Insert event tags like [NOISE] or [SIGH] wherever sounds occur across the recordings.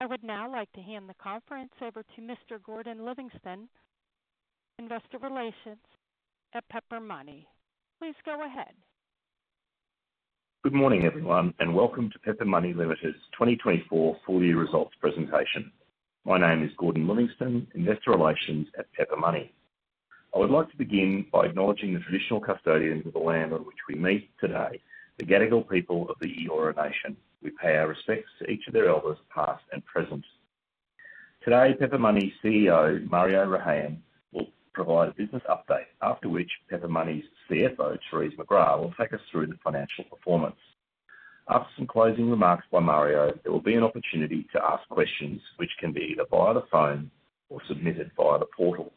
I would now like to hand the conference over to Mr. Gordon Livingstone, Investor Relations at Pepper Money. Please go ahead. Good morning, everyone, and welcome to Pepper Money Limited's 2024 Full Year Results Presentation. My name is Gordon Livingstone, Investor Relations at Pepper Money. I would like to begin by acknowledging the traditional custodians of the land on which we meet today, the Gadigal people of the Eora Nation. We pay our respects to each of their elders, past and present. Today, Pepper Money's CEO Mario Rehayem will provide a business update, after which Pepper Money's CFO, Therese McGrath, will take us through the financial performance. After some closing remarks by Mario, there will be an opportunity to ask questions, which can be either via the phone or submitted via the portal.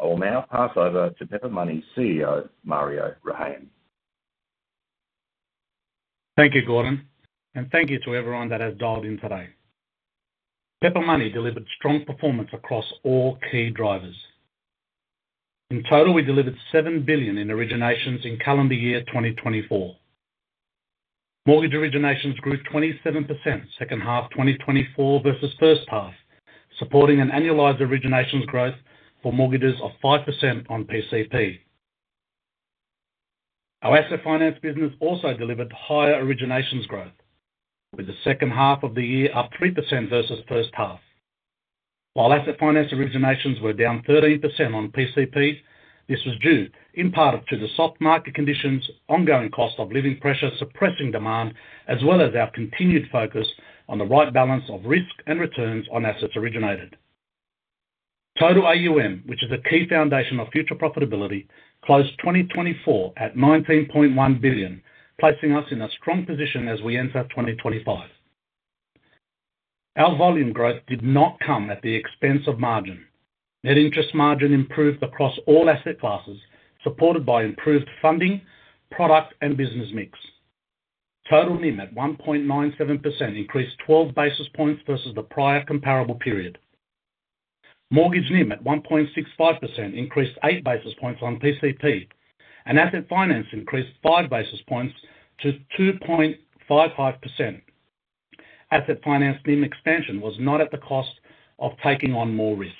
I will now pass over to Pepper Money's CEO, Mario Rehayem. Thank you, Gordon, and thank you to everyone that has dialed in today. Pepper Money delivered strong performance across all key drivers. In total, we delivered 7 billion in originations in calendar year 2024. Mortgage originations grew 27% second half 2024 versus first half, supporting an annualized originations growth for Mortgages of 5% on PCP. Our Asset Finance business also delivered higher originations growth, with the second half of the year up 3% versus first half. While Asset Finance originations were down 13% on PCP, this was due, in part, to the soft market conditions, ongoing cost of living pressure suppressing demand, as well as our continued focus on the right balance of risk and returns on assets originated. Total AUM, which is a key foundation of future profitability, closed 2024 at 19.1 billion, placing us in a strong position as we enter 2025. Our volume growth did not come at the expense of margin. Net interest margin improved across all asset classes, supported by improved funding, product, and business mix. Total NIM at 1.97% increased 12 basis points versus the prior comparable period. Mortgage NIM at 1.65% increased 8 basis points on PCP, and Asset Finance increased 5 basis points to 2.55%. Asset Finance NIM expansion was not at the cost of taking on more risk.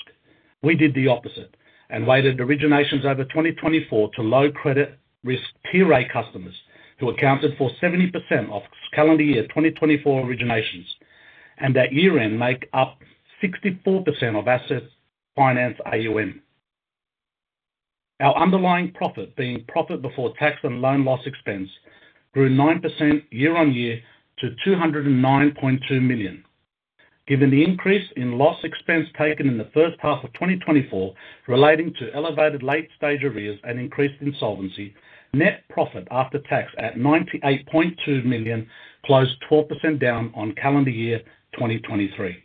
We did the opposite and weighted originations over 2024 to low credit risk Tier A customers who accounted for 70% of calendar year 2024 originations, and that year-end made up 64% of Asset Finance AUM. Our underlying profit, being profit before tax and loan loss expense, grew 9% year-on-year to 209.2 million. Given the increase in loss expense taken in the first half of 2024 relating to elevated late-stage arrears and increased insolvency, net profit after tax at 98.2 million closed 12% down on calendar year 2023.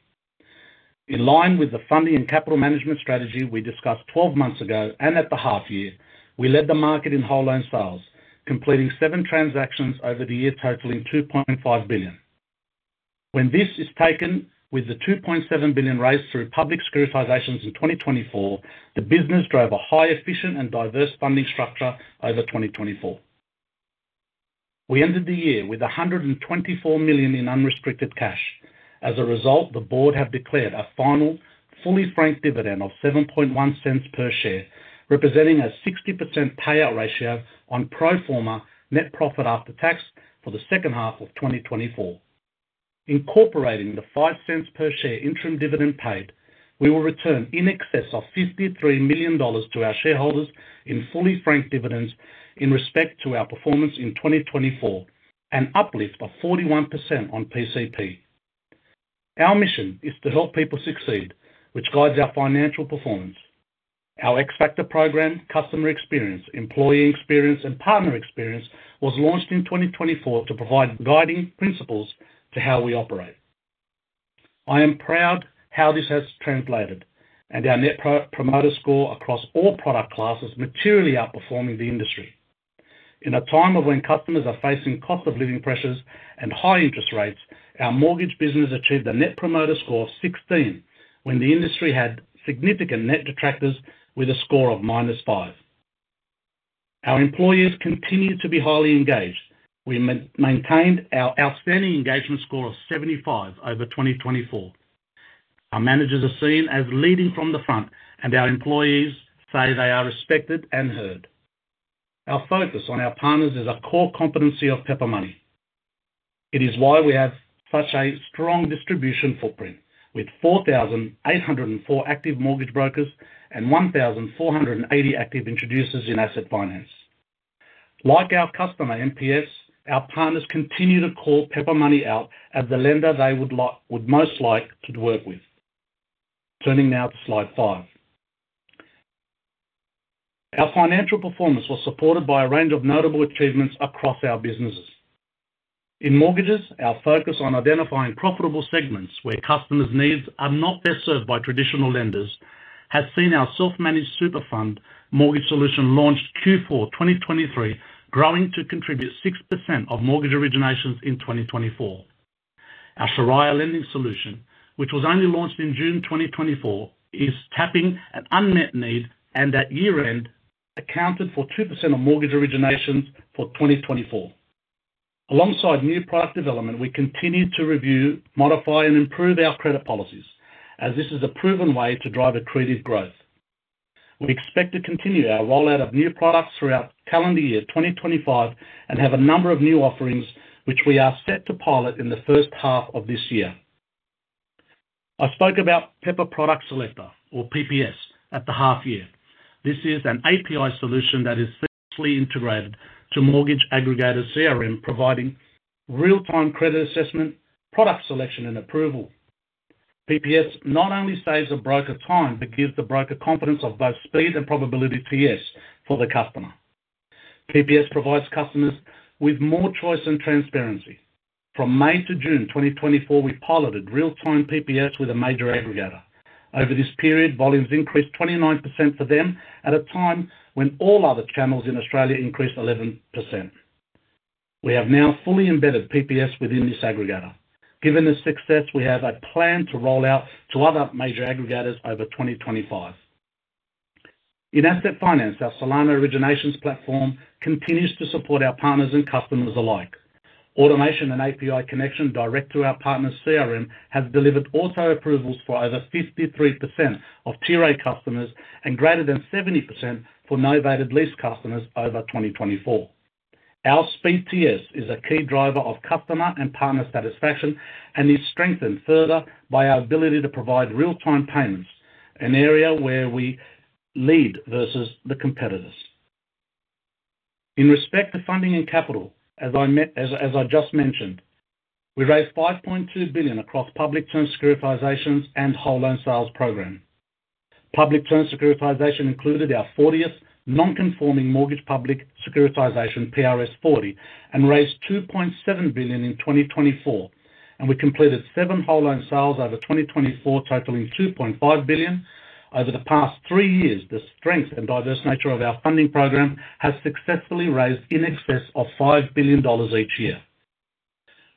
In line with the funding and capital management strategy we discussed 12 months ago and at the half-year, we led the market in whole loan sales, completing seven transactions over the year totaling 2.5 billion. When this is taken with the 2.7 billion raised through public securitizations in 2024, the business drove a highly efficient and diverse funding structure over 2024. We ended the year with 124 million in unrestricted cash. As a result, the Board have declared a final, fully franked dividend of 0.07 per share, representing a 60% payout ratio on pro forma net profit after tax for the second half of 2024. Incorporating the 0.05 per share interim dividend paid, we will return in excess of 53 million dollars to our shareholders in fully franked dividends in respect to our performance in 2024, an uplift of 41% on PCP. Our mission is to help people succeed, which guides our financial performance. Our X Factor program, Employee eXperience, Customer eXperience, and Partner eXperience was launched in 2024 to provide guiding principles to how we operate. I am proud how this has translated, and our Net Promoter Score across all product classes materially outperforming the industry. In a time when customers are facing cost of living pressures and high interest rates, our mortgage business achieved a Net Promoter Score of 16 when the industry had significant net detractors with a score of -5. Our employees continue to be highly engaged, we maintained our outstanding engagement score of 75 over 2024. Our managers are seen as leading from the front, and our employees say they are respected and heard. Our focus on our partners is a core competency of Pepper Money. It is why we have such a strong distribution footprint, with 4,804 active mortgage brokers and 1,480 active introducers in Asset Finance. Like our customer NPS, our partners continue to call Pepper Money out as the lender they would most like to work with. Turning now to slide 5, our financial performance was supported by a range of notable achievements across our businesses. In mortgages, our focus on identifying profitable segments where customers' needs are not best served by traditional lenders has seen our Self-Managed Super Fund mortgage solution launched Q4 2023 growing to contribute 6% of mortgage originations in 2024. Our Sharia lending solution, which was only launched in June 2024, is tapping an unmet need and at year-end accounted for 2% of mortgage originations for 2024. Alongside new product development, we continue to review, modify, and improve our credit policies, as this is a proven way to drive accretive growth. We expect to continue our rollout of new products throughout calendar year 2025 and have a number of new offerings which we are set to pilot in the first half of this year. I spoke about Pepper Product Selector, or PPS, at the half-year. This is an API solution that is centrally integrated to mortgage aggregator CRM, providing real-time credit assessment, product selection, and approval. PPS not only saves a broker time but gives the broker confidence of both speed and probability to yes for the customer. PPS provides customers with more choice and transparency. From May to June 2024, we piloted real-time PPS with a major aggregator. Over this period, volumes increased 29% for them at a time when all other channels in Australia increased 11%. We have now fully embedded PPS within this aggregator. Given the success, we have a plan to rollout to other major aggregators over 2025. In Asset Finance, our Solana originations platform continues to support our partners and customers alike. Automation and API connection direct to our partners' CRM has delivered auto-approvals for over 53% of Tier A customers and greater than 70% for novated lease customers over 2024. Our Speed to Yes is a key driver of customer and partner satisfaction and is strengthened further by our ability to provide real-time payments, an area where we lead versus the competitors. In respect to funding and capital, as I just mentioned, we raised 5.2 billion across public term securitizations and Whole Loan Sales program. Public term securitization included our 40th non-conforming mortgage public securitization, PRS 40, and raised 2.7 billion in 2024, and we completed seven Whole Loan Sales over 2024, totaling 2.5 billion. Over the past three years, the strength and diverse nature of our funding program has successfully raised in excess of 5 billion dollars each year.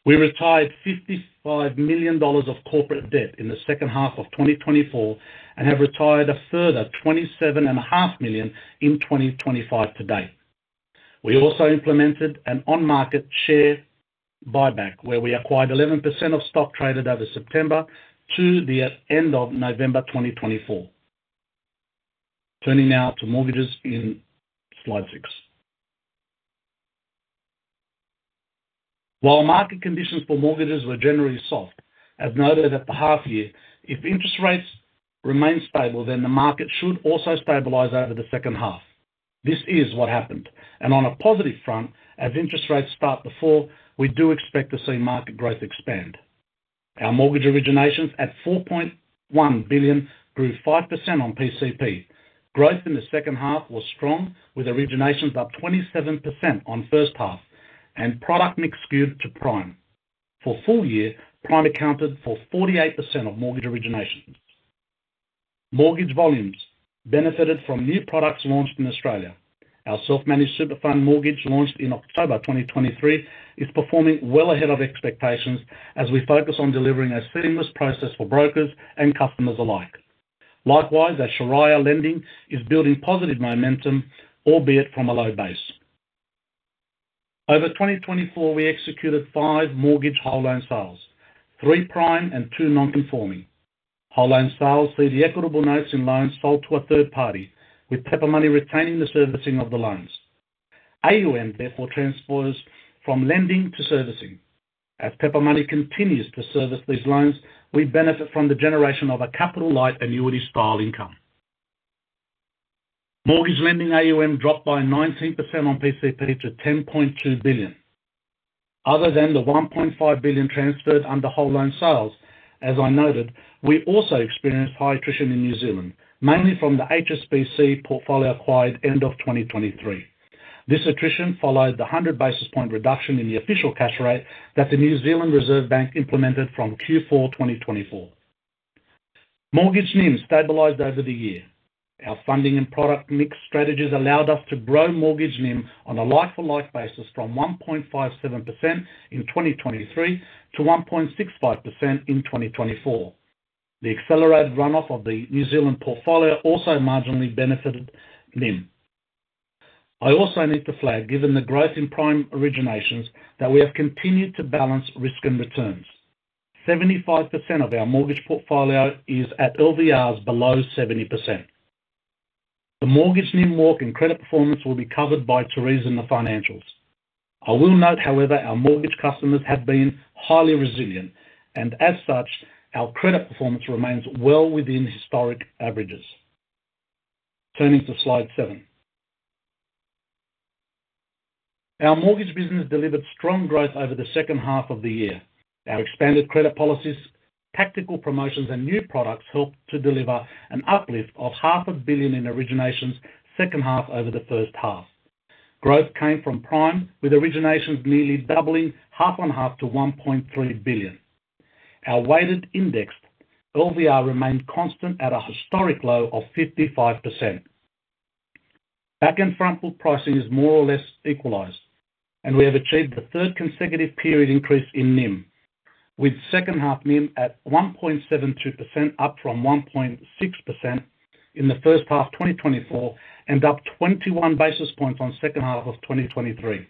We retired 55 million dollars of corporate debt in the second half of 2024 and have retired a further 27.5 million in 2025 to date. We also implemented an on-market share buyback where we acquired 11% of stock traded over September to the end of November 2024. Turning now to mortgages in slide 6. While market conditions for mortgages were generally soft, as noted at the half-year, if interest rates remain stable, then the market should also stabilize over the second half. This is what happened, and on a positive front, as interest rates start to fall, we do expect to see market growth expand. Our mortgage originations at 4.1 billion grew 5% on PCP. Growth in the second half was strong, with originations up 27% on first half and product mix skewed to Prime. For full year, Prime accounted for 48% of mortgage originations. Mortgage volumes benefited from new products launched in Australia. Our Self-Managed Super Fund mortgage, launched in October 2023, is performing well ahead of expectations as we focus on delivering a seamless process for brokers and customers alike. Likewise, our Sharia lending is building positive momentum, albeit from a low base. Over 2024, we executed five mortgage Whole Loan Sales, three prime and two non-conforming. Whole Loan Sales see the equitable interest in loans sold to a third party, with Pepper Money retaining the servicing of the loans. AUM therefore transfers from lending to servicing. As Pepper Money continues to service these loans, we benefit from the generation of a capital-light annuity-style income. Mortgage lending AUM dropped by 19% on PCP to 10.2 billion. Other than the 1.5 billion transferred under Whole Loan Sales, as I noted, we also experienced high attrition in New Zealand, mainly from the HSBC portfolio acquired at the end of 2023. This attrition followed the 100 basis points reduction in the official cash rate that the Reserve Bank of New Zealand implemented from Q4 2024. Mortgage NIM stabilized over the year. Our funding and product mix strategies allowed us to grow mortgage NIM on a like-for-like basis from 1.57% in 2023 to 1.65% in 2024. The accelerated run-off of the New Zealand portfolio also marginally benefited NIM. I also need to flag, given the growth in Prime originations, that we have continued to balance risk and returns. 75% of our mortgage portfolio is at LVRs below 70%. The mortgage NIM walk and credit performance will be covered by Therese in the financials. I will note, however, our mortgage customers have been highly resilient, and as such, our credit performance remains well within historic averages. Turning to slide 7, our mortgage business delivered strong growth over the second half of the year. Our expanded credit policies, tactical promotions, and new products helped to deliver an uplift of 500 million in originations second half over the first half. Growth came from Prime, with originations nearly doubling half and half to $1.3 billion. Our weighted indexed LVR remained constant at a historic low of 55%. Back-and-front pricing is more or less equalized, and we have achieved the third consecutive period increase in NIM, with second half NIM at 1.72%, up from 1.6% in the first half 2024 and up 21 basis points on second half of 2023.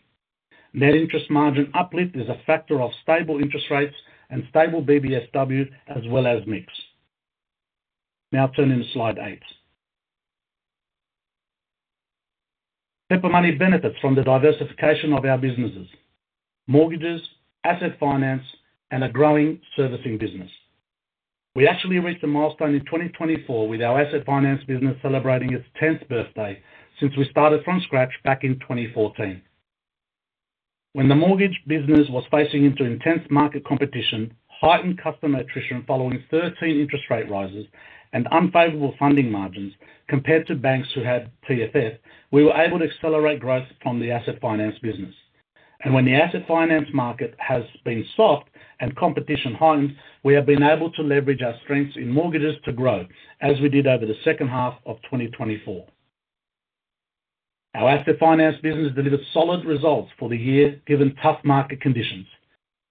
Net interest margin uplift is a factor of stable interest rates and stable BBSW as well as mix. Now turning to slide 8, Pepper Money benefits from the diversification of our businesses: mortgages, asset finance, and a growing servicing business. We actually reached a milestone in 2024 with our Asset Finance business celebrating its 10th birthday since we started from scratch back in 2014. When the mortgage business was facing into intense market competition, heightened customer attrition following 13 interest rate rises and unfavorable funding margins compared to banks who had TFF, we were able to accelerate growth from the Asset Finance business, and when the Asset Finance market has been soft and competition heightened, we have been able to leverage our strengths in mortgages to grow, as we did over the second half of 2024. Our Asset Finance business delivered solid results for the year, given tough market conditions.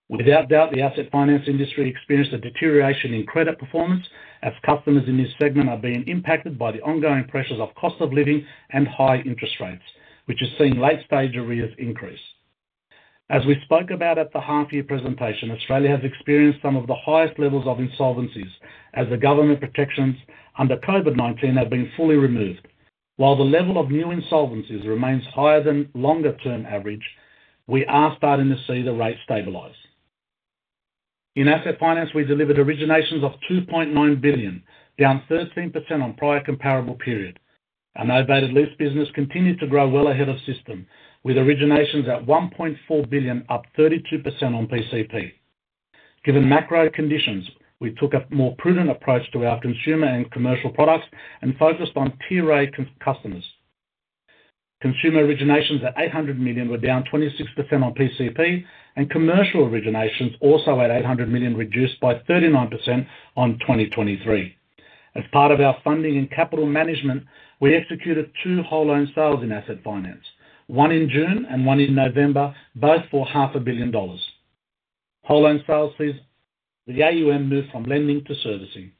Without doubt, the asset finance industry experienced a deterioration in credit performance as customers in this segment are being impacted by the ongoing pressures of cost of living and high interest rates, which is seeing late-stage arrears increase. As we spoke about at the half-year presentation, Australia has experienced some of the highest levels of insolvencies, as the government protections under COVID-19 have been fully removed. While the level of new insolvencies remains higher than longer-term average, we are starting to see the rate stabilize. In Asset Finance, we delivered originations of $2.9 billion, down 13% on prior comparable period. Our novated lease business continued to grow well ahead of system, with originations at $1.4 billion, up 32% on PCP. Given macro conditions, we took a more prudent approach to our consumer and commercial products and focused on Tier A customers. Consumer originations at $800 million were down 26% on PCP, and commercial originations also at $800 million reduced by 39% on 2023. As part of our funding and capital management, we executed two Whole Loan Sales in Asset Finance, one in June and one in November, both for 500 million dollars. Whole Loan Sales, please. The AUM moved from lending to servicing.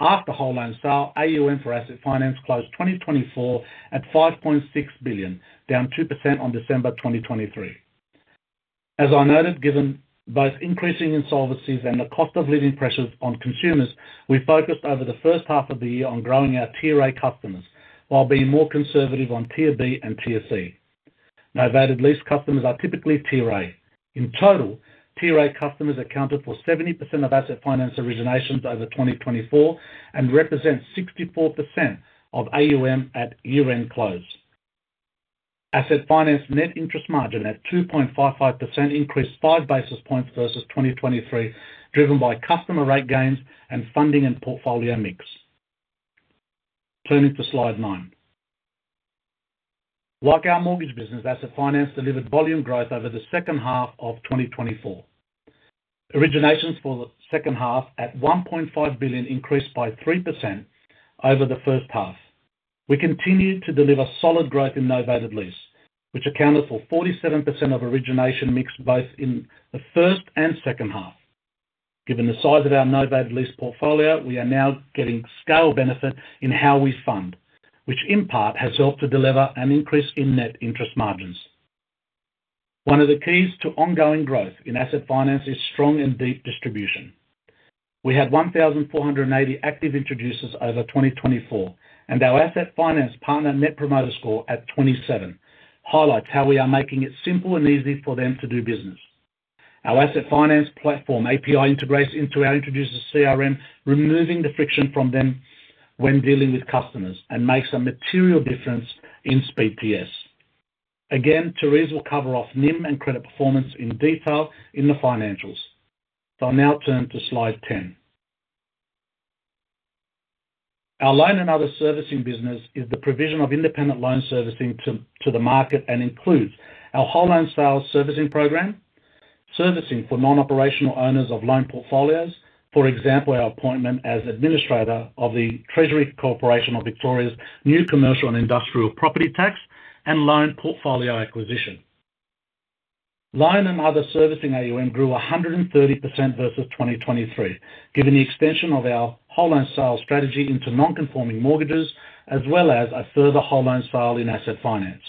After Whole Loan Sale, AUM for Asset Finance closed 2024 at 5.6 billion, down 2% on December 2023. As I noted, given both increasing insolvencies and the cost of living pressures on consumers, we focused over the first half of the year on growing our Tier A customers while being more conservative on Tier B and Tier C. Novated lease customers are typically Tier A. In total, Tier A customers accounted for 70% of Asset Finance originations over 2024 and represent 64% of AUM at year-end close. Asset Finance net interest margin at 2.55% increased 5 basis points versus 2023, driven by customer rate gains and funding and portfolio mix. Turning to slide 9, like our mortgage business, Asset Finance delivered volume growth over the second half of 2024. Originations for the second half at 1.5 billion increased by 3% over the first half. We continued to deliver solid growth in novated lease, which accounted for 47% of origination mix both in the first and second half. Given the size of our novated lease portfolio, we are now getting scale benefit in how we fund, which in part has helped to deliver an increase in net interest margins. One of the keys to ongoing growth in Asset Finance is strong and deep distribution. We had 1,480 active introducers over 2024, and our Asset Finance partner Net Promoter Score at 27 highlights how we are making it simple and easy for them to do business. Our Asset Finance platform API integrates into our introducer CRM, removing the friction from them when dealing with customers and makes a material difference in Speed to Yes. Again, Therese will cover off NIM and credit performance in detail in the financials. So I'll now turn to slide 10, our loan and other servicing business is the provision of independent loan servicing to the market and includes our Whole Loan Sales servicing program, servicing for non-operational owners of loan portfolios, for example, our appointment as administrator of the Treasury Corporation of Victoria's new Commercial and Industrial Property Tax, and loan portfolio acquisition. Loan and other servicing AUM grew 130% versus 2023, given the extension of our Whole Loan Sales strategy into non-conforming mortgages, as well as a further Whole Loan Sale in Asset Finance.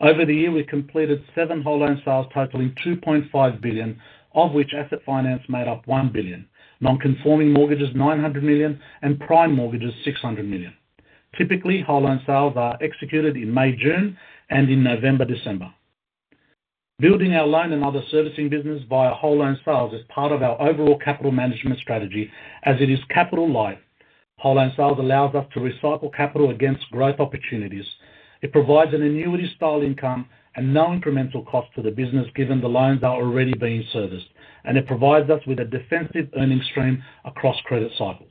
Over the year, we completed seven Whole Loan Sales totaling 2.5 billion, of which Asset Finance made up 1 billion, non-conforming mortgages 900 million, and Prime mortgages 600 million. Typically, Whole Loan Sales are executed in May, June, and in November, December. Building our loan and other servicing business via Whole Loan Sales is part of our overall capital management strategy, as it is capital-light. Whole Loan Sales allows us to recycle capital against growth opportunities. It provides an annuity-style income and no incremental cost to the business, given the loans are already being serviced, and it provides us with a defensive earnings stream across credit cycles.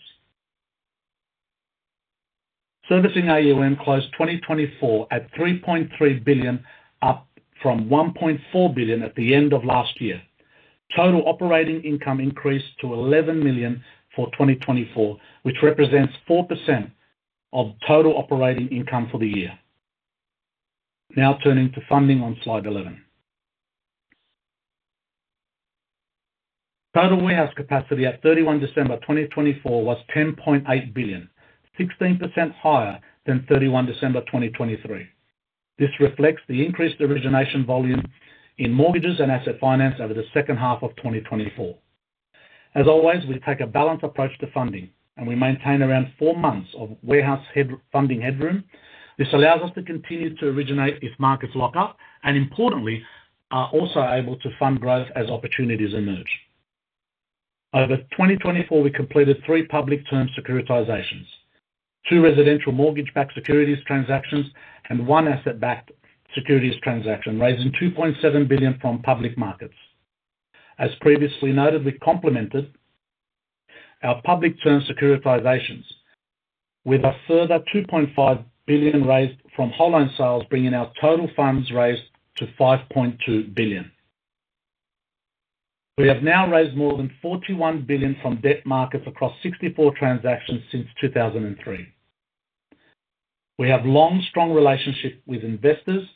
Servicing AUM closed 2024 at AUD 3.3 billion, up from AUD 1.4 billion at the end of last year. Total operating income increased to AUD 11 million for 2024, which represents 4% of total operating income for the year. Now turning to funding on slide 11, total warehouse capacity at December 31, 2024 was 10.8 billion, 16% higher than December 31, 2023. This reflects the increased origination volume in mortgages and asset finance over the second half of 2024. As always, we take a balanced approach to funding, and we maintain around four months of warehouse funding headroom. This allows us to continue to originate if markets lock up, and importantly, are also able to fund growth as opportunities emerge. Over 2024, we completed three public term securitizations, two residential mortgage-backed securities transactions, and one asset-backed securities transaction, raising 2.7 billion from public markets. As previously noted, we complemented our public term securitizations with a further 2.5 billion raised from Whole Loan Sales, bringing our total funds raised to 5.2 billion. We have now raised more than 41 billion from debt markets across 64 transactions since 2003. We have long-strong relationships with investors,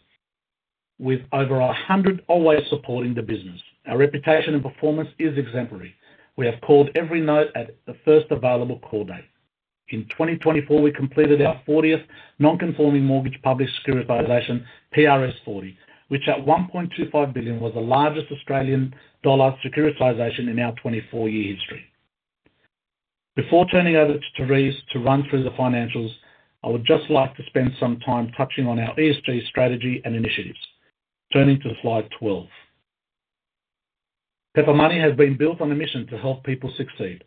with over 100 always supporting the business. Our reputation and performance is exemplary. We have called every note at the first available call date. In 2024, we completed our 40th non-conforming mortgage public securitization, PRS 40, which at 1.25 billion was the largest Australian dollar securitization in our 24-year history. Before turning over to Therese to run through the financials, I would just like to spend some time touching on our ESG strategy and initiatives. Turning to slide 12, Pepper Money has been built on a mission to help people succeed.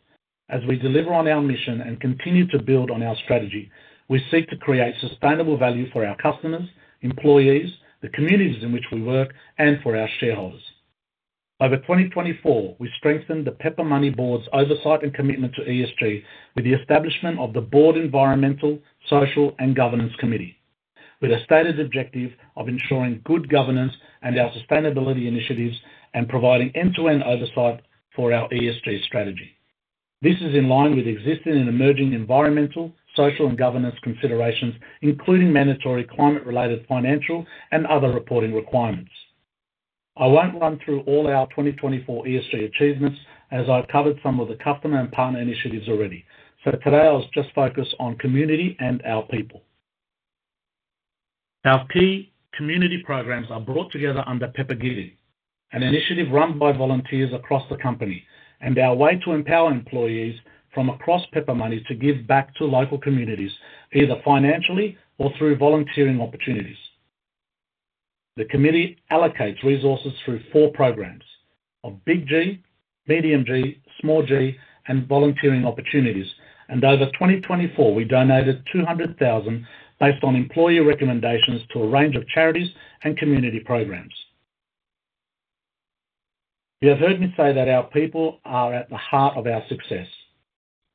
As we deliver on our mission and continue to build on our strategy, we seek to create sustainable value for our customers, employees, the communities in which we work, and for our shareholders. Over 2024, we strengthened the Pepper Money Board's oversight and commitment to ESG with the establishment of the Board's Environmental, Social, and Governance Committee, with a stated objective of ensuring good governance and our sustainability initiatives and providing end-to-end oversight for our ESG strategy. This is in line with existing and emerging environmental, social, and governance considerations, including mandatory climate-related financial and other reporting requirements. I won't run through all our 2024 ESG achievements, as I've covered some of the customer and partner initiatives already, so today, I'll just focus on community and our people. Our key community programs are brought together under Pepper Giving, an initiative run by volunteers across the company, and our way to empower employees from across Pepper Money to give back to local communities, either financially or through volunteering opportunities. The committee allocates resources through four programs: a Big G, Medium G, Small G, and Volunteering Opportunities. And over 2024, we donated 200,000 based on employee recommendations to a range of charities and community programs. You have heard me say that our people are at the heart of our success.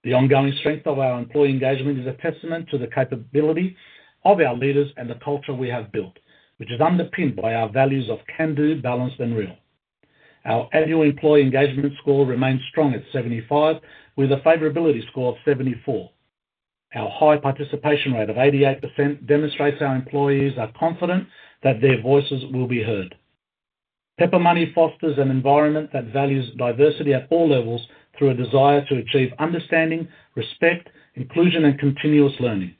The ongoing strength of our employee engagement is a testament to the capability of our leaders and the culture we have built, which is underpinned by our values of can-do, balanced, and real. Our annual employee engagement score remains strong at 75, with a favorability score of 74. Our high participation rate of 88% demonstrates our employees are confident that their voices will be heard. Pepper Money fosters an environment that values diversity at all levels through a desire to achieve understanding, respect, inclusion, and continuous learning.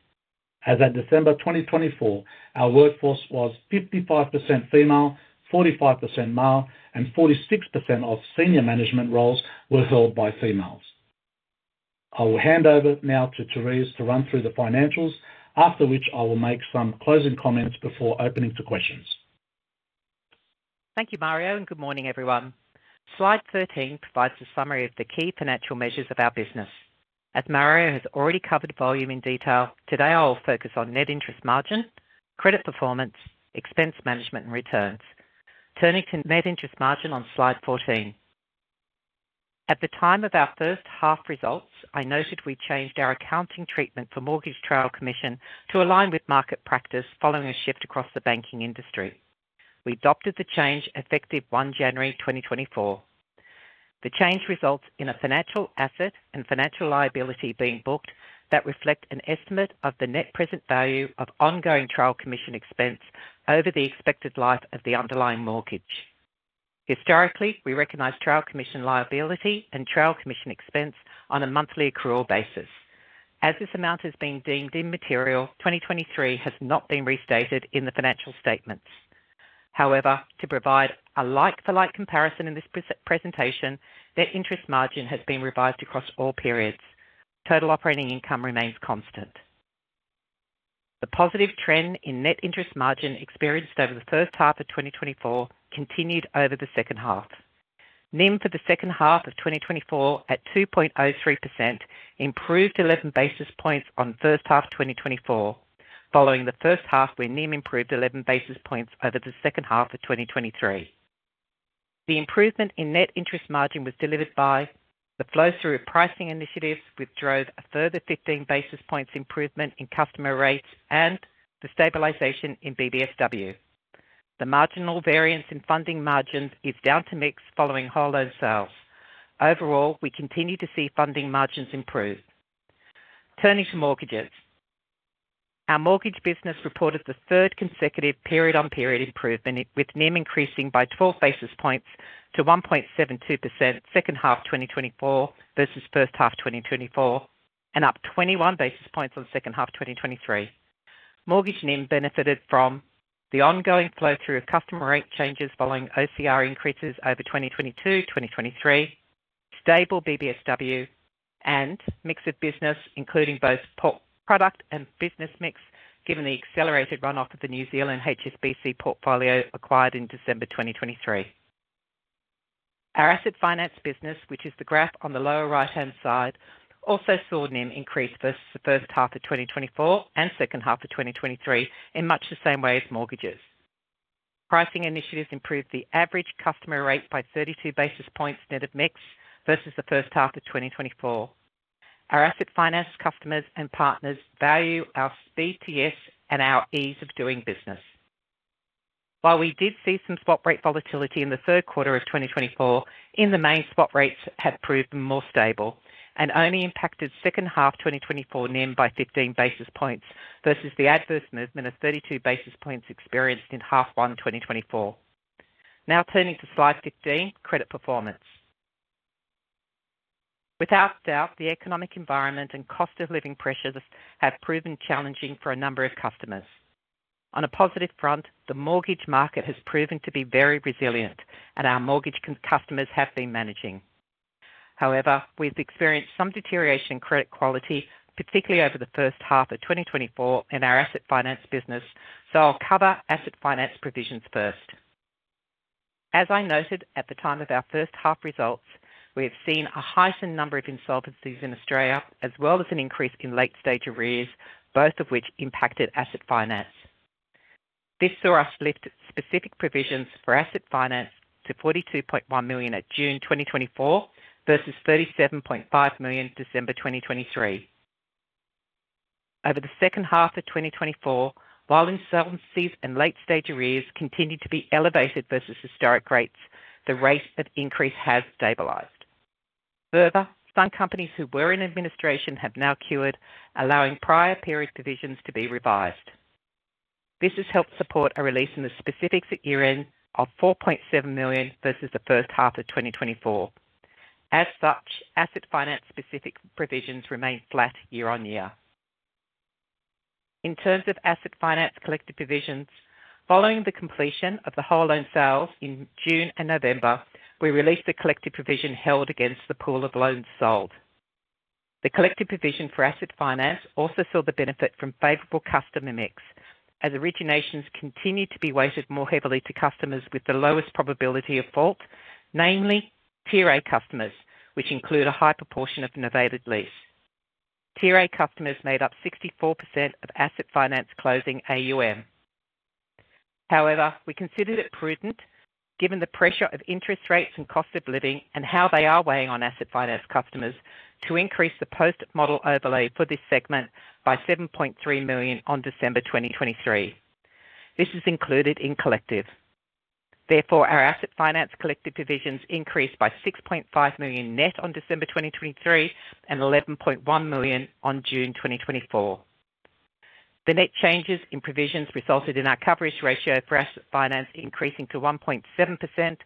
As of December 2024, our workforce was 55% female, 45% male, and 46% of senior management roles were held by females. I will hand over now to Therese to run through the financials, after which I will make some closing comments before opening to questions. Thank you, Mario, and good morning, everyone. Slide 13 provides a summary of the key financial measures of our business. As Mario has already covered volume in detail, today I will focus on net interest margin, credit performance, expense management, and returns. Turning to net interest margin on slide 14, at the time of our first half results, I noted we changed our accounting treatment for mortgage trail commission to align with market practice following a shift across the banking industry. We adopted the change effective January 1, 2024. The change results in a financial asset and financial liability being booked that reflect an estimate of the net present value of ongoing trail commission expense over the expected life of the underlying mortgage. Historically, we recognize trail commission liability and trail commission expense on a monthly accrual basis. As this amount has been deemed immaterial, 2023 has not been restated in the financial statements. However, to provide a like-for-like comparison in this presentation, net interest margin has been revised across all periods. Total operating income remains constant. The positive trend in net interest margin experienced over the first half of 2024 continued over the second half. NIM for the second half of 2024 at 2.03% improved 11 basis points on first half 2024, following the first half where NIM improved 11 basis points over the second half of 2023. The improvement in net interest margin was delivered by the flow-through pricing initiatives, which drove a further 15 basis points improvement in customer rates and the stabilization in BBSW. The marginal variance in funding margins is down to mix following Whole Loan Sales. Overall, we continue to see funding margins improve. Turning to mortgages, our mortgage business reported the third consecutive period-on-period improvement, with NIM increasing by 12 basis points to 1.72% second half 2024 versus first half 2024, and up 21 basis points on second half 2023. Mortgage NIM benefited from the ongoing flow-through of customer rate changes following OCR increases over 2022, 2023, stable BBSW, and mix of business, including both product and business mix, given the accelerated run-off of the New Zealand HSBC portfolio acquired in December 2023. Our Asset Finance business, which is the graph on the lower right-hand side, also saw NIM increase versus the first half of 2024 and second half of 2023 in much the same way as mortgages. Pricing initiatives improved the average customer rate by 32 basis points net of mix versus the first half of 2024. Our asset finance customers and partners value our Speed to Yes and our ease of doing business. While we did see some spot rate volatility in the third quarter of 2024, in the main spot rates had proven more stable and only impacted second half 2024 NIM by 15 basis points versus the adverse movement of 32 basis points experienced in half one 2024. Now turning to slide 15, credit performance. Without doubt, the economic environment and cost of living pressures have proven challenging for a number of customers. On a positive front, the mortgage market has proven to be very resilient, and our mortgage customers have been managing. However, we've experienced some deterioration in credit quality, particularly over the first half of 2024 in our Asset Finance business, so I'll cover asset finance provisions first. As I noted at the time of our first half results, we have seen a heightened number of insolvencies in Australia, as well as an increase in late-stage arrears, both of which impacted asset finance. This saw us lift specific provisions for asset finance to 42.1 million at June 2024 versus 37.5 million December 2023. Over the second half of 2024, while insolvencies and late-stage arrears continued to be elevated versus historic rates, the rate of increase has stabilized. Further, some companies who were in administration have now cured, allowing prior period provisions to be revised. This has helped support a release in the specifics year-end of 4.7 million versus the first half of 2024. As such, asset finance-specific provisions remain flat year-on-year. In terms of asset finance collective provisions, following the completion of the Whole Loan Sales in June and November, we released the collective provision held against the pool of loans sold. The collective provision for asset finance also saw the benefit from favorable customer mix, as originations continued to be weighted more heavily to customers with the lowest probability of default, namely Tier A customers, which include a high proportion of novated lease. Tier A customers made up 64% of asset finance closing AUM. However, we considered it prudent, given the pressure of interest rates and cost of living and how they are weighing on asset finance customers, to increase the post-model overlay for this segment by 7.3 million on December 2023. This is included in collective. Therefore, our Asset Finance collective provisions increased by 6.5 million net on December 2023 and 11.1 million on June 2024. The net changes in provisions resulted in our coverage ratio for asset finance increasing to 1.7%,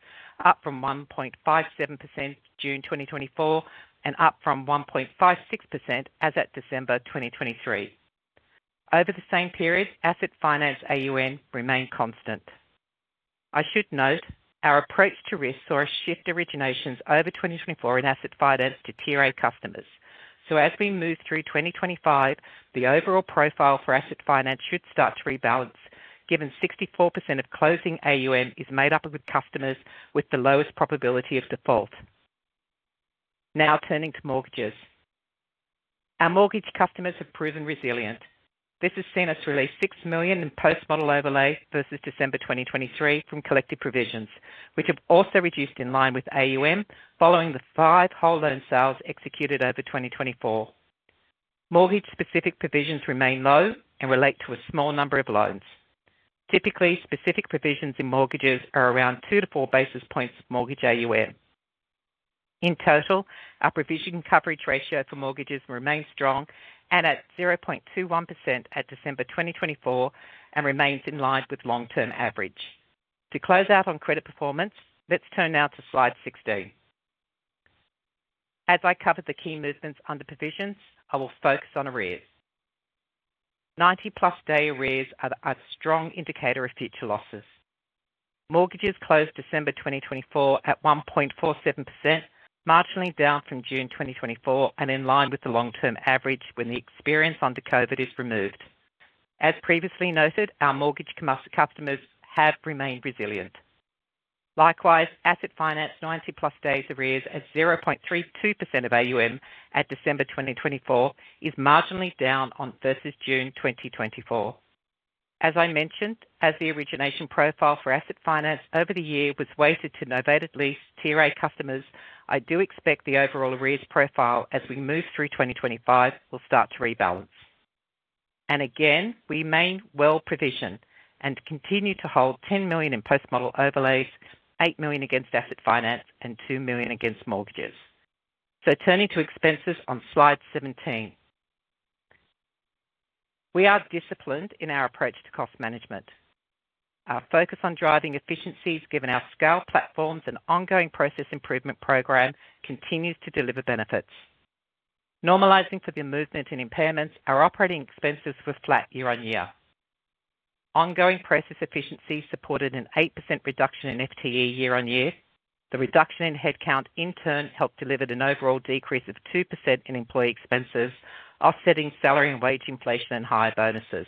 up from 1.57% June 2024 and up from 1.56% as at December 2023. Over the same period, asset finance AUM remained constant. I should note our approach to risk saw a shift to originations over 2024 in asset finance to Tier A customers. So as we move through 2025, the overall profile for asset finance should start to rebalance, given 64% of closing AUM is made up of customers with the lowest probability of default. Now turning to mortgages, our mortgage customers have proven resilient. This has seen us release 6 million in post-model overlay versus December 2023 from collective provisions, which have also reduced in line with AUM following the five Whole Loan Sales executed over 2024. Mortgage-specific provisions remain low and relate to a small number of loans. Typically, specific provisions in mortgages are around 2-4 basis points mortgage AUM. In total, our provision coverage ratio for mortgages remains strong and at 0.21% at December 2024 and remains in line with long-term average. To close out on credit performance, let's turn now to slide 16. As I covered the key movements under provisions, I will focus on arrears. 90+ day arrears are a strong indicator of future losses. Mortgages closed December 2024 at 1.47%, marginally down from June 2024 and in line with the long-term average when the experience under COVID is removed. As previously noted, our mortgage customers have remained resilient. Likewise, asset finance 90+ days arrears at 0.32% of AUM at December 2024 is marginally down versus June 2024. As I mentioned, as the origination profile for asset finance over the year was weighted to novated lease Tier A customers, I do expect the overall arrears profile as we move through 2025 will start to rebalance, and again, we remain well provisioned and continue to hold 10 million in post-model overlays, 8 million against asset finance, and 2 million against mortgages, so turning to expenses on slide 17, we are disciplined in our approach to cost management. Our focus on driving efficiencies, given our scale platforms and ongoing process improvement program, continues to deliver benefits. Normalizing for the movement and impairments, our operating expenses were flat year-on-year. Ongoing process efficiency supported an 8% reduction in FTE year-on-year. The reduction in headcount, in turn, helped deliver an overall decrease of 2% in employee expenses, offsetting salary and wage inflation and higher bonuses.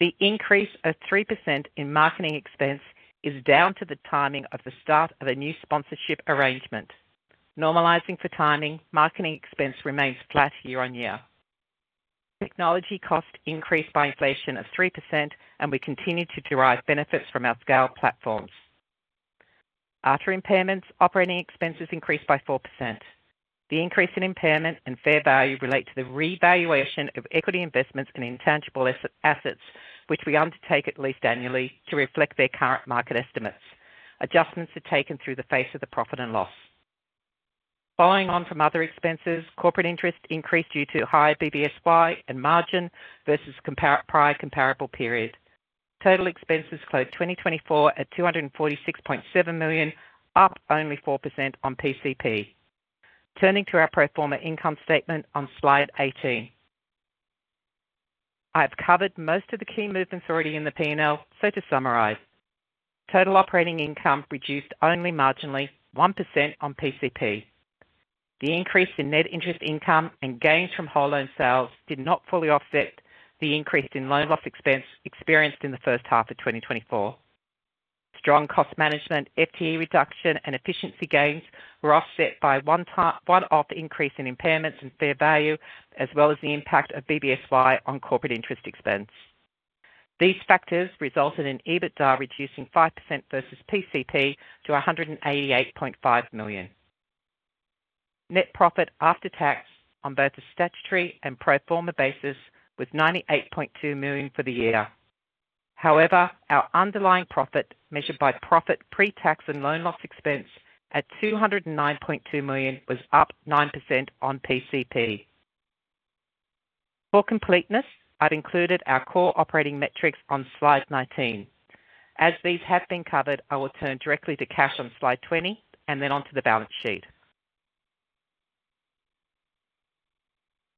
The increase of 3% in marketing expense is down to the timing of the start of a new sponsorship arrangement. Normalizing for timing, marketing expense remains flat year-on-year. Technology cost increased by inflation of 3%, and we continue to derive benefits from our scale platforms. After impairments, operating expenses increased by 4%. The increase in impairment and fair value relate to the revaluation of equity investments and intangible assets, which we undertake at least annually to reflect their current market estimates. Adjustments are taken through the face of the profit and loss. Following on from other expenses, corporate interest increased due to higher BBSY and margin versus prior comparable period. Total expenses closed 2024 at 246.7 million, up only 4% on PCP. Turning to our pro forma income statement on slide 18, I have covered most of the key movements already in the P&L. So to summarize, total operating income reduced only marginally 1% on PCP. The increase in net interest income and gains from Whole Loan Sales did not fully offset the increase in loan loss expense experienced in the first half of 2024. Strong cost management, FTE reduction, and efficiency gains were offset by one-off increase in impairments and fair value, as well as the impact of BBSY on corporate interest expense. These factors resulted in EBITDA reducing 5% versus PCP to 188.5 million. Net profit after tax on both the statutory and pro forma basis was 98.2 million for the year. However, our underlying profit measured by profit pre-tax and loan loss expense at 209.2 million was up 9% on PCP. For completeness, I've included our core operating metrics on slide 19. As these have been covered, I will turn directly to cash on slide 20 and then on to the balance sheet.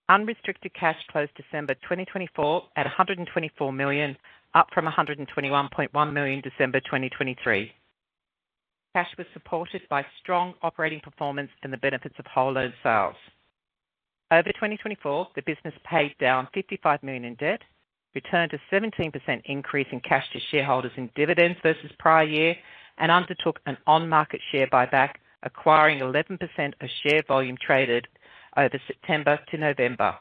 Unrestricted cash closed December 2024 at 124 million, up from 121.1 million December 2023. Cash was supported by strong operating performance and the benefits of Whole Loan Sales. Over 2024, the business paid down 55 million in debt, returned a 17% increase in cash to shareholders in dividends versus prior year, and undertook an on-market share buyback, acquiring 11% of share volume traded over September to November,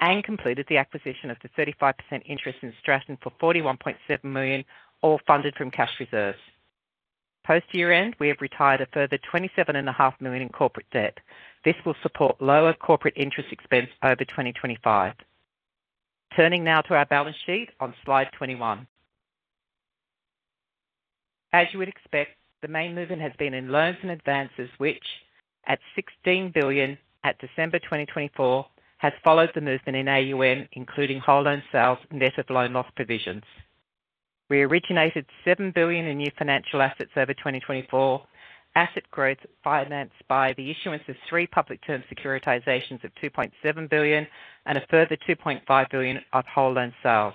and completed the acquisition of the 35% interest in Stratton for 41.7 million, all funded from cash reserves. Post year-end, we have retired a further 27.5 million in corporate debt. This will support lower corporate interest expense over 2025. Turning now to our balance sheet on slide 21. As you would expect, the main movement has been in loans and advances, which, at 16 billion at December 2024, has followed the movement in AUM, including Whole Loan Sales and net of loan loss provisions. We originated 7 billion in new financial assets over 2024, asset growth financed by the issuance of three Public Term Securitizations of 2.7 billion and a further 2.5 billion of Whole Loan Sales.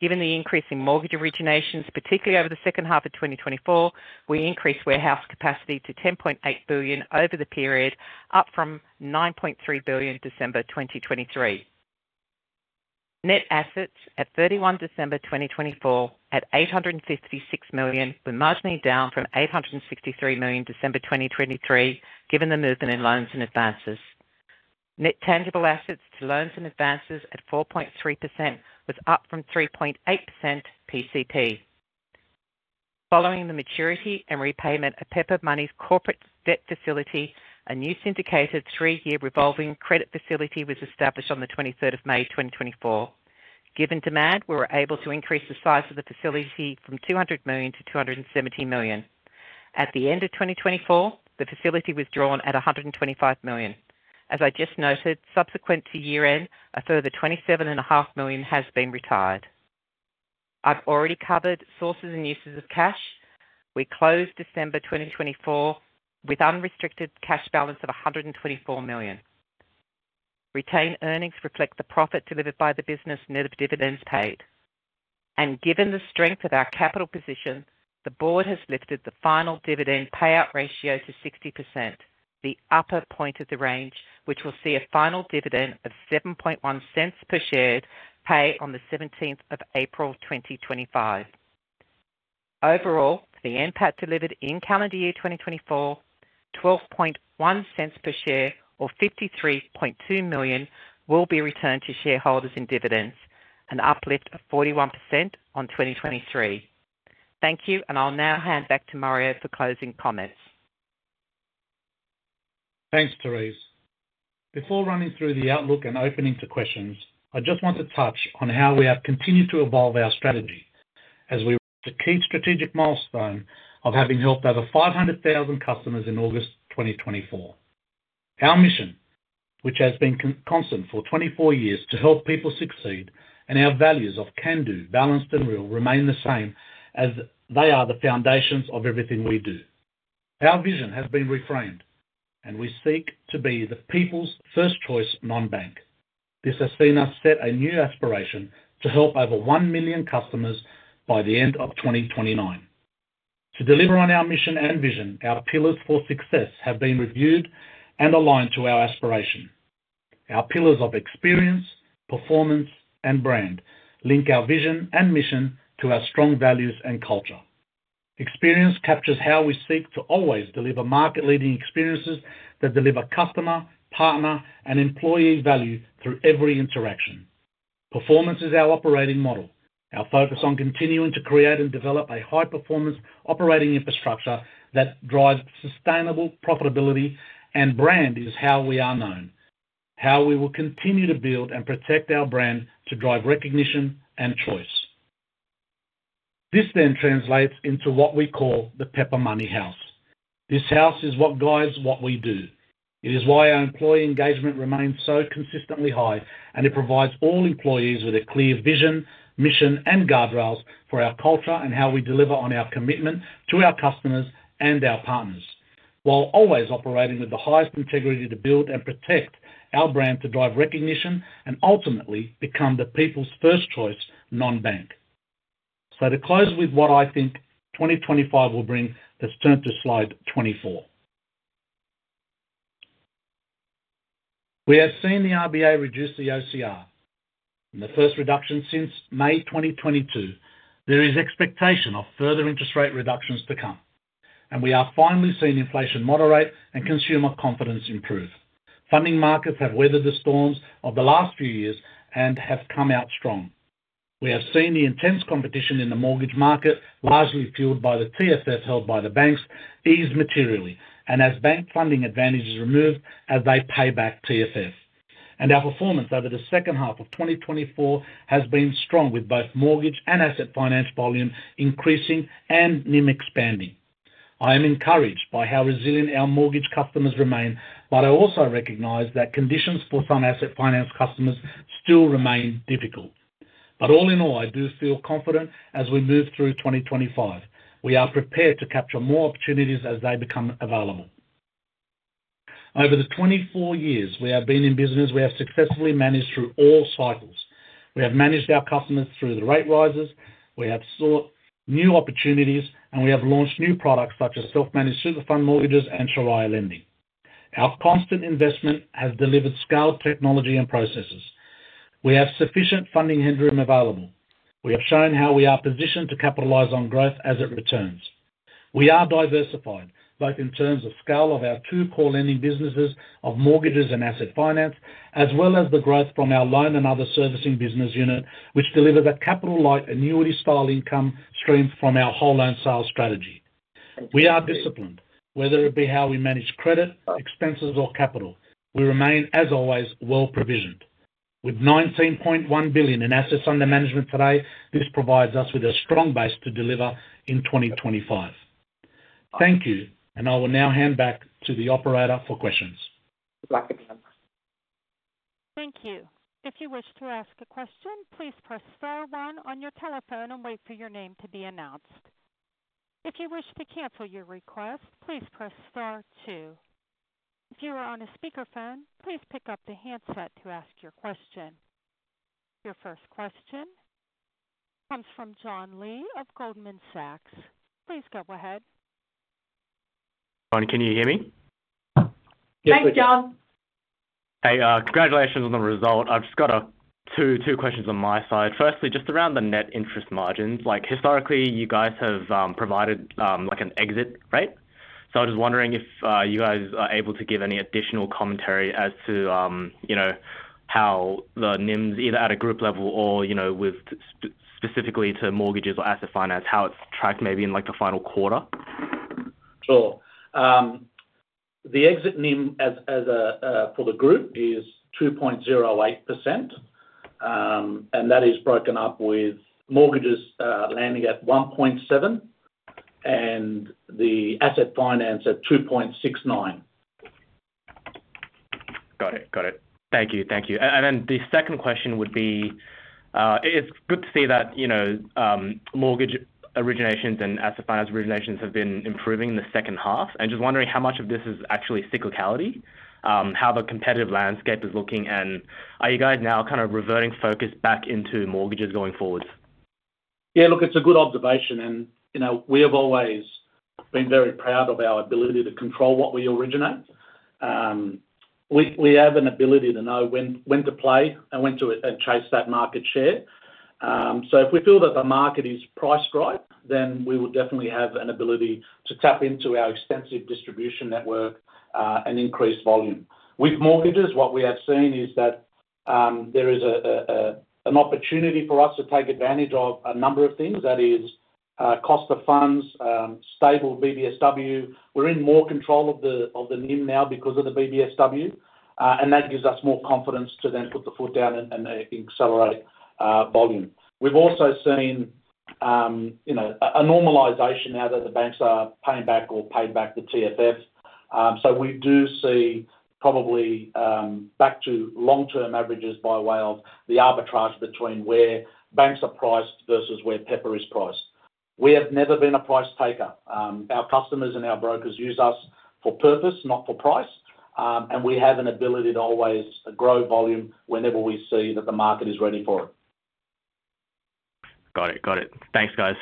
Given the increase in mortgage originations, particularly over the second half of 2024, we increased warehouse capacity to 10.8 billion over the period, up from 9.3 billion December 2023. Net assets at December 31 2024 at 856 million were marginally down from 863 million December 2023, given the movement in loans and advances. Net tangible assets to loans and advances at 4.3% was up from 3.8% PCP. Following the maturity and repayment of Pepper Money's corporate debt facility, a new syndicated three-year revolving credit facility was established on the May 23rd, 2024. Given demand, we were able to increase the size of the facility from 200 million to 270 million. At the end of 2024, the facility was drawn at 125 million. As I just noted, subsequent to year-end, a further 27.5 million has been retired. I've already covered sources and uses of cash. We closed December 2024 with unrestricted cash balance of 124 million. Retained earnings reflect the profit delivered by the business net of dividends paid. And given the strength of our capital position, the Board has lifted the final dividend payout ratio to 60%, the upper point of the range, which will see a final dividend of 0.71 per share paid on the April 17th, 2025. Overall, the NPAT delivered in calendar year 2024, 12.1 per share or 53.2 million, will be returned to shareholders in dividends, an uplift of 41% on 2023. Thank you, and I'll now hand back to Mario for closing comments. Thanks, Therese. Before running through the outlook and opening to questions, I just want to touch on how we have continued to evolve our strategy as we reached a key strategic milestone of having helped over 500,000 customers in August 2024. Our mission, which has been constant for 24 years, is to help people succeed, and our values of Can Do, Balanced and Real remain the same as they are the foundations of everything we do. Our vision has been reframed, and we seek to be the people's first choice non-bank. This has seen us set a new aspiration to help over million customers by the end of 2029. To deliver on our mission and vision, our pillars for success have been reviewed and aligned to our aspiration. Our pillars of experience, performance, and brand link our vision and mission to our strong values and culture. Experience captures how we seek to always deliver market-leading experiences that deliver customer, partner, and employee value through every interaction. Performance is our operating model. Our focus on continuing to create and develop a high-performance operating infrastructure that drives sustainable profitability and brand is how we are known, how we will continue to build and protect our brand to drive recognition and choice. This then translates into what we call the Pepper Money House. This house is what guides what we do. It is why our employee engagement remains so consistently high, and it provides all employees with a clear vision, mission, and guardrails for our culture and how we deliver on our commitment to our customers and our partners, while always operating with the highest integrity to build and protect our brand to drive recognition and ultimately become the people's first choice non-bank, so to close with what I think 2025 will bring, let's turn to slide 24. We have seen the RBA reduce the OCR. In the first reduction since May 2022, there is expectation of further interest rate reductions to come, and we are finally seeing inflation moderate and consumer confidence improve. Funding markets have weathered the storms of the last few years and have come out strong. We have seen the intense competition in the mortgage market, largely fueled by the TFF held by the banks, ease materially, and as bank funding advantages removed, as they pay back TFF. And our performance over the second half of 2024 has been strong, with both mortgage and asset finance volume increasing and NIM expanding. I am encouraged by how resilient our mortgage customers remain, but I also recognize that conditions for some asset finance customers still remain difficult. But all in all, I do feel confident as we move through 2025. We are prepared to capture more opportunities as they become available. Over the 24 years we have been in business, we have successfully managed through all cycles. We have managed our customers through the rate rises. We have sought new opportunities, and we have launched new products such as Self-Managed Super Fund Mortgages and Sharia Lending. Our constant investment has delivered scaled technology and processes. We have sufficient funding headroom available. We have shown how we are positioned to capitalize on growth as it returns. We are diversified, both in terms of scale of our two core lending businesses of mortgages and asset finance, as well as the growth from our loan and other servicing business unit, which delivers a capital-light annuity-style income stream from our Whole Loan Sales strategy. We are disciplined, whether it be how we manage credit, expenses, or capital. We remain, as always, well provisioned. With 19.1 billion in assets under management today, this provides us with a strong base to deliver in 2025. Thank you, and I will now hand back to the operator for questions. Thank you. If you wish to ask a question, please press star one on your telephone and wait for your name to be announced. If you wish to cancel your request, please press star two. If you are on a speakerphone, please pick up the handset to ask your question. Your first question comes from John Lin of Goldman Sachs. Please go ahead. Hi, can you hear me? Yes, we can. Thanks, John. Hey, congratulations on the result. I've just got two questions on my side. Firstly, just around the net interest margins, historically, you guys have provided an exit rate. So I was just wondering if you guys are able to give any additional commentary as to how the NIMs, either at a group level or specifically to mortgages or asset finance, how it's tracked maybe in the final quarter? Sure. The exit NIM for the group is 2.08%, and that is broken up with mortgages landing at 1.7% and the asset finance at 2.69%. Got it, got it, thank you, thank you. And then the second question would be, it's good to see that mortgage originations and asset finance originations have been improving in the second half. And just wondering how much of this is actually cyclicality, how the competitive landscape is looking, and are you guys now kind of reverting focus back into mortgages going forward? Yeah, look, it's a good observation, and we have always been very proud of our ability to control what we originate. We have an ability to know when to play and when to chase that market share. So if we feel that the market is price-driven, then we will definitely have an ability to tap into our extensive distribution network and increase volume. With mortgages, what we have seen is that there is an opportunity for us to take advantage of a number of things. That is cost of funds, stable BBSW. We're in more control of the NIM now because of the BBSW, and that gives us more confidence to then put the foot down and accelerate volume. We've also seen a normalization now that the banks are paying back or paid back the TFF. So we do see probably back to long-term averages by way of the arbitrage between where banks are priced versus where Pepper is priced. We have never been a price taker. Our customers and our brokers use us for purpose, not for price, and we have an ability to always grow volume whenever we see that the market is ready for it. Got it, got it. Thanks, guys.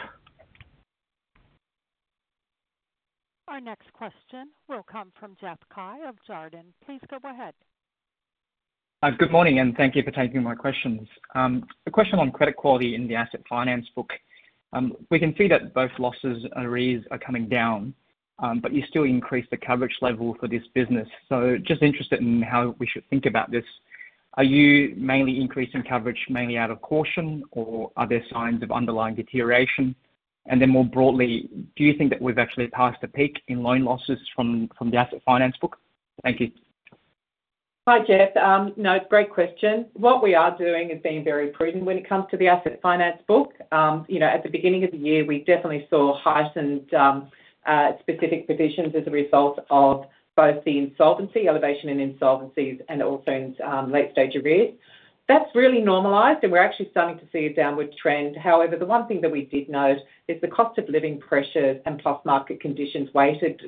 Our next question will come from Jeff Cai of Jarden. Please go ahead. Good morning, and thank you for taking my questions. A question on credit quality in the asset finance book. We can see that both losses and arrears are coming down, but you still increase the coverage level for this business, so just interested in how we should think about this. Are you mainly increasing coverage mainly out of caution, or are there signs of underlying deterioration? And then more broadly, do you think that we've actually passed a peak in loan losses from the asset finance book? Thank you. Hi, Jeff. No, great question. What we are doing is being very prudent when it comes to the asset finance book. At the beginning of the year, we definitely saw heightened specific provisions as a result of both the insolvency elevations and insolvencies and also in late-stage arrears. That's really normalized, and we're actually starting to see a downward trend. However, the one thing that we did note is the cost of living pressures and plus market conditions weighed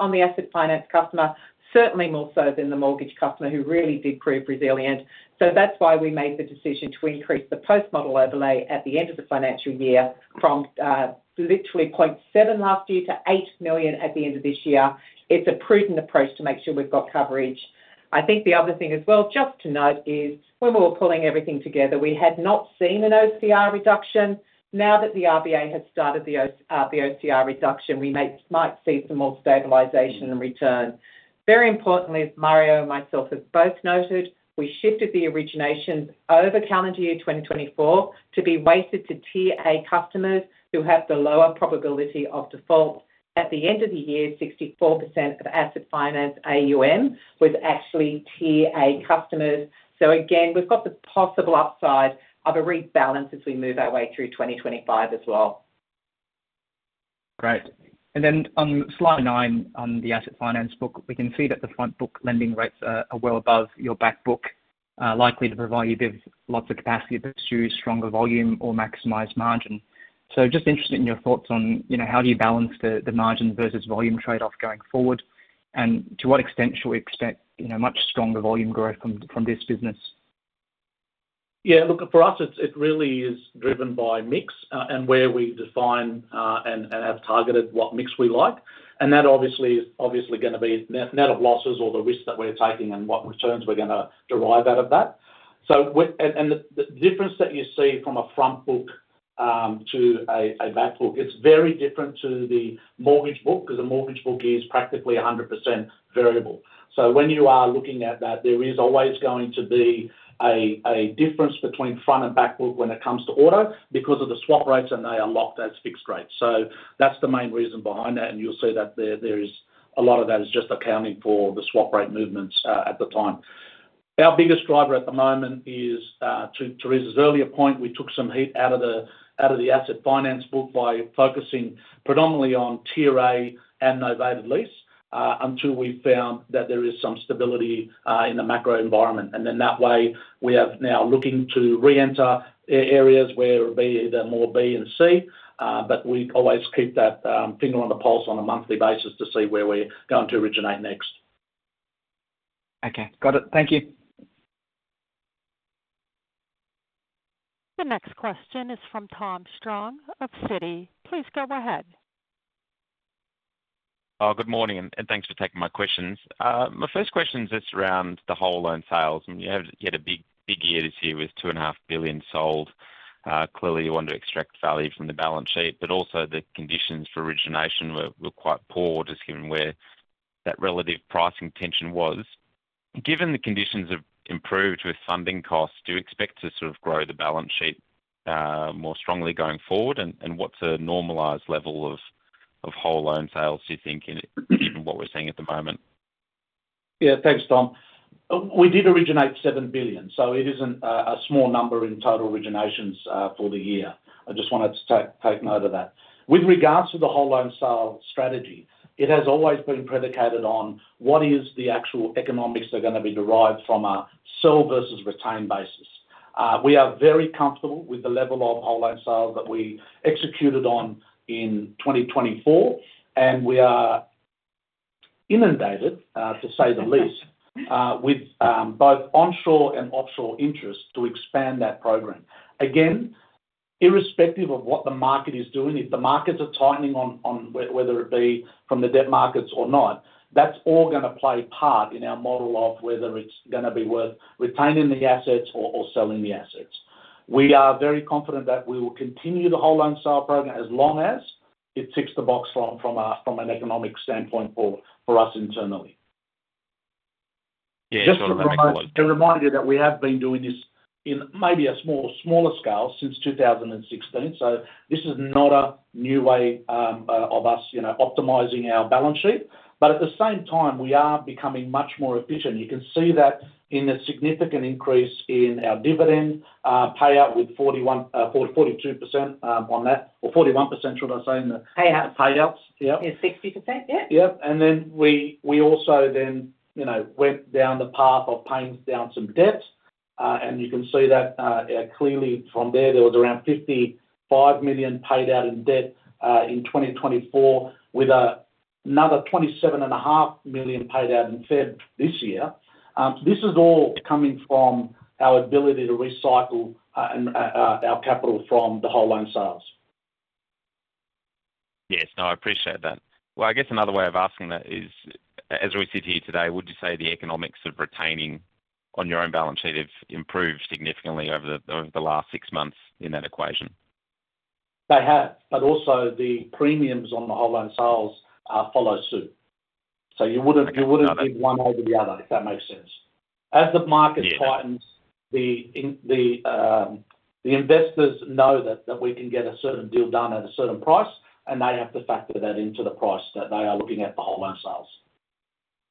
on the asset finance customer, certainly more so than the mortgage customer who really did prove resilient. That's why we made the decision to increase the post-model overlay at the end of the financial year from literally 0.7 million last year to 8 million at the end of this year. It's a prudent approach to make sure we've got coverage. I think the other thing as well, just to note, is when we were pulling everything together, we had not seen an OCR reduction. Now that the RBA has started the OCR reduction, we might see some more stabilization and return. Very importantly, as Mario and myself have both noted, we shifted the originations over calendar year 2024 to be weighted to tier A customers who have the lower probability of default. At the end of the year, 64% of asset finance AUM was actually tier A customers. So again, we've got the possible upside of a rebalance as we move our way through 2025 as well. Great. And then on slide 9 on the asset finance book, we can see that the front book lending rates are well above your back book, likely to provide you with lots of capacity to pursue stronger volume or maximize margin. So just interested in your thoughts on how do you balance the margin versus volume trade-off going forward, and to what extent should we expect much stronger volume growth from this business? Yeah, look, for us, it really is driven by mix and where we define and have targeted what mix we like. And that obviously is going to be net of losses or the risks that we're taking and what returns we're going to derive out of that. And the difference that you see from a front book to a back book, it's very different to the mortgage book because a mortgage book is practically 100% variable. So when you are looking at that, there is always going to be a difference between front and back book when it comes to order because of the swap rates and they are locked as fixed rates. So that's the main reason behind that, and you'll see that there is a lot of that is just accounting for the swap rate movements at the time. Our biggest driver at the moment is, to Therese's earlier point, we took some heat out of the asset finance book by focusing predominantly on Tier A and novated lease until we found that there is some stability in the macro environment. And then that way, we are now looking to re-enter areas where it would be either more B and C, but we always keep that finger on the pulse on a monthly basis to see where we're going to originate next. Okay, got it, thank you. The next question is from Tom Strong of Citi. Please go ahead. Good morning, and thanks for taking my questions. My first question is just around the Whole Loan Sales. You had a big year this year with 2.5 billion sold. Clearly, you want to extract value from the balance sheet, but also the conditions for origination were quite poor, just given where that relative pricing tension was. Given the conditions have improved with funding costs, do you expect to sort of grow the balance sheet more strongly going forward, and what's a normalized level of Whole Loan Sales do you think in what we're seeing at the moment? Yeah, thanks, Tom. We did originate 7 billion, so it isn't a small number in total originations for the year. I just wanted to take note of that. With regards to the Whole Loan Sales strategy, it has always been predicated on what is the actual economics that are going to be derived from a sell versus retain basis. We are very comfortable with the level of Whole Loan Sales that we executed on in 2024, and we are inundated, to say the least, with both onshore and offshore interest to expand that program. Again, irrespective of what the market is doing, if the markets are tightening on whether it be from the debt markets or not, that's all going to play part in our model of whether it's going to be worth retaining the assets or selling the assets. We are very confident that we will continue the Whole Loan Sales program as long as it ticks the box from an economic standpoint for us internally. Just a reminder that we have been doing this in maybe a smaller scale since 2016, so this is not a new way of us optimizing our balance sheet. But at the same time, we are becoming much more efficient. You can see that in the significant increase in our dividend payout with 42% on that, or 41%, should I say? Payouts. Payouts, yeah. 60%, yeah. Yep. And then we also then went down the path of paying down some debt, and you can see that clearly from there, there was around 55 million paid out in debt in 2024, with another 27.5 million paid out in Feb this year. This is all coming from our ability to recycle our capital from the Whole Loan Sales. Yes, no, I appreciate that. Well, I guess another way of asking that is, as we sit here today, would you say the economics of retaining on your own balance sheet have improved significantly over the last six months in that equation? They have, but also the premiums on the Whole Loan Sales follow suit. So you wouldn't give one over the other, if that makes sense. As the market tightens, the investors know that we can get a certain deal done at a certain price, and they have to factor that into the price that they are looking at the Whole Loan Sales.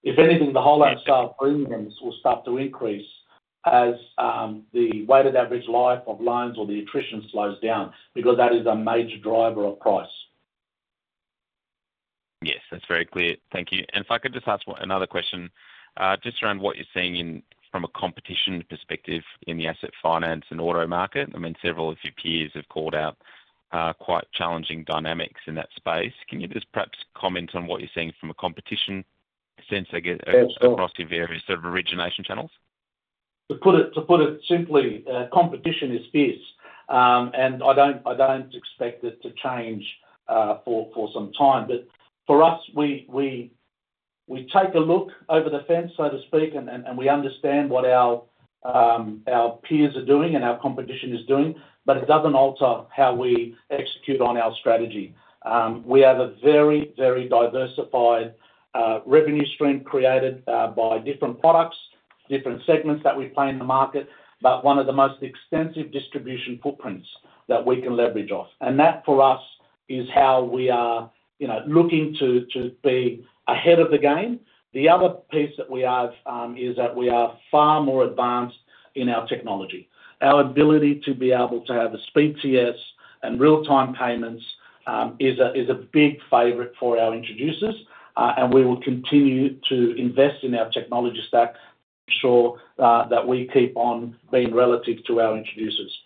If anything, the Whole Loan Sales premium will start to increase as the weighted average life of loans or the attrition slows down because that is a major driver of price. Yes, that's very clear. Thank you. And if I could just ask another question just around what you're seeing from a competition perspective in the asset finance and auto market. I mean, several of your peers have called out quite challenging dynamics in that space. Can you just perhaps comment on what you're seeing from a competition sense across your various sort of origination channels? To put it simply, competition is fierce, and I don't expect it to change for some time, but for us, we take a look over the fence, so to speak, and we understand what our peers are doing and our competition is doing, but it doesn't alter how we execute on our strategy. We have a very, very diversified revenue stream created by different products, different segments that we play in the market, but one of the most extensive distribution footprints that we can leverage off, and that for us is how we are looking to be ahead of the game. The other piece that we have is that we are far more advanced in our technology. Our ability to be able to have a Speed to Yes and real-time payments is a big favorite for our introducers, and we will continue to invest in our technology stack to ensure that we keep on being relevant to our introducers.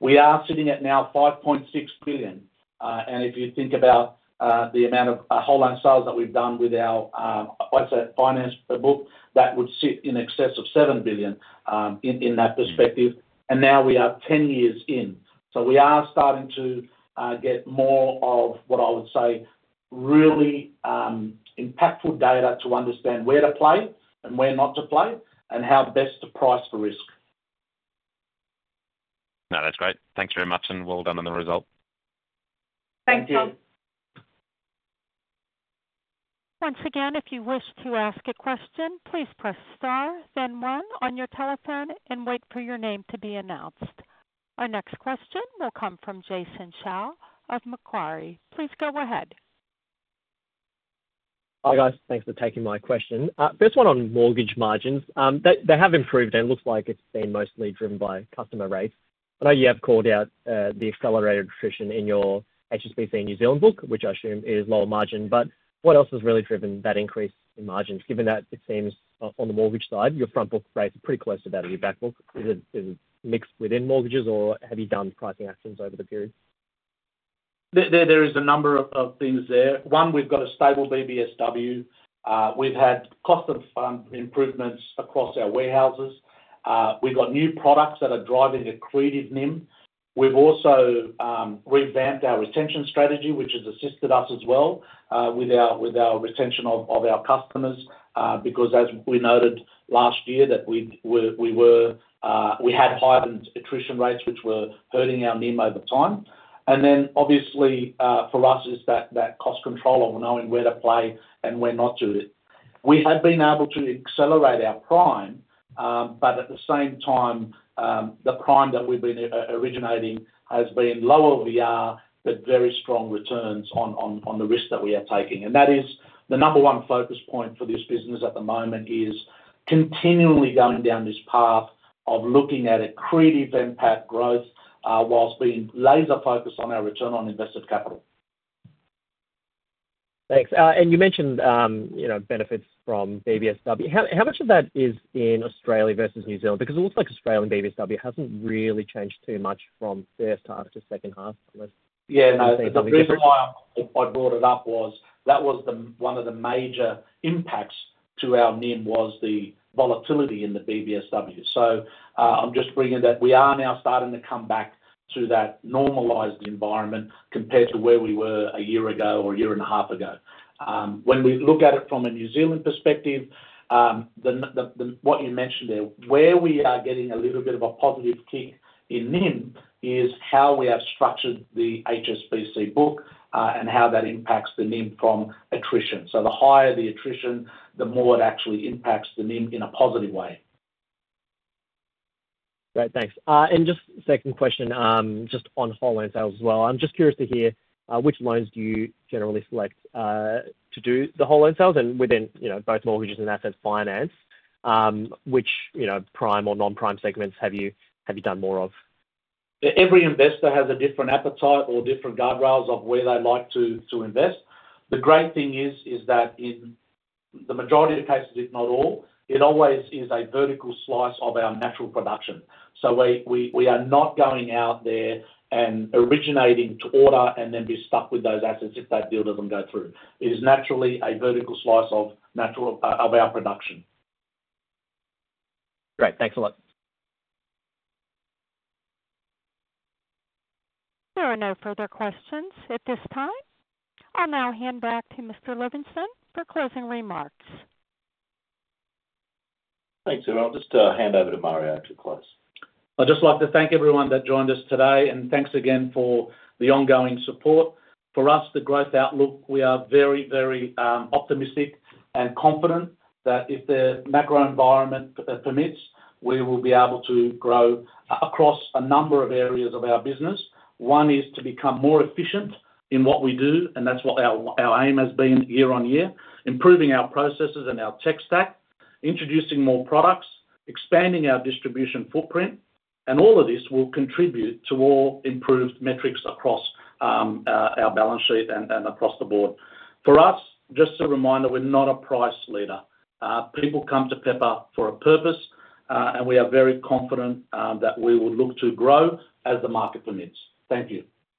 We are sitting at now 5.6 billion, and if you think about the amount of Whole Loan Sales that we've done with our asset finance book, that would sit in excess of 7 billion in that perspective, and now we are 10 years in, so we are starting to get more of what I would say really impactful data to understand where to play and where not to play and how best to price for risk. No, that's great. Thanks very much, and well done on the result. Thank you. [CROSSTALK] Thanks again. If you wish to ask a question, please press star, then one on your telephone, and wait for your name to be announced. Our next question will come from Jason Shao of Macquarie. Please go ahead. Hi guys, thanks for taking my question. First one on mortgage margins. They have improved, and it looks like it's been mostly driven by customer rates. I know you have called out the accelerated attrition in your HSBC New Zealand book, which I assume is lower margin, but what else has really driven that increase in margins given that it seems on the mortgage side, your front book rates are pretty close to that of your back book? Is it mixed within mortgages, or have you done pricing actions over the period? There is a number of things there. One, we've got a stable BBSW. We've had cost-of-funds improvements across our warehouses. We've got new products that are driving accretive NIM. We've also revamped our retention strategy, which has assisted us as well with our retention of our customers because, as we noted last year, that we had higher attrition rates, which were hurting our NIM over time. And then obviously for us is that cost control of knowing where to play and where not to do it. We have been able to accelerate our Prime, but at the same time, the Prime that we've been originating has been lower LVR, but very strong returns on the risk that we are taking. And that is the number one focus point for this business at the moment is continually going down this path of looking at accretive NPAT growth whilst being laser-focused on our return on invested capital. Thanks. And you mentioned benefits from BBSW. How much of that is in Australia versus New Zealand? Because it looks like Australia and BBSW hasn't really changed too much from first half to second half, unless it's a big deal. Yeah, no, the reason why I brought it up was that was one of the major impacts to our NIM was the volatility in the BBSW. So I'm just bringing that we are now starting to come back to that normalized environment compared to where we were a year ago or a year and a half ago. When we look at it from a New Zealand perspective, what you mentioned there, where we are getting a little bit of a positive kick in NIM is how we have structured the HSBC book and how that impacts the NIM from attrition. So the higher the attrition, the more it actually impacts the NIM in a positive way. Great, thanks. And just second question, just on Whole Loan Sales as well, I'm just curious to hear which loans do you generally select to do the Whole Loan Sales and within both mortgages and asset finance? Which Prime or Non-Prime segments have you done more of? Every investor has a different appetite or different guardrails of where they like to invest. The great thing is that in the majority of cases, if not all, it always is a vertical slice of our natural production. So we are not going out there and originating to order and then be stuck with those assets if that deal doesn't go through. It is naturally a vertical slice of our production. Great, thanks a lot. There are no further questions at this time. I'll now hand back to Mr. Livingstone for closing remarks. Thanks, everyone. I'll just hand over to Mario to close. I'd just like to thank everyone that joined us today, and thanks again for the ongoing support. For us, the growth outlook, we are very, very optimistic and confident that if the macro environment permits, we will be able to grow across a number of areas of our business. One is to become more efficient in what we do, and that's what our aim has been year-on-year, improving our processes and our tech stack, introducing more products, expanding our distribution footprint, and all of this will contribute to all improved metrics across our balance sheet and across the board. For us, just a reminder, we're not a price leader. People come to Pepper for a purpose, and we are very confident that we will look to grow as the market permits. Thank you.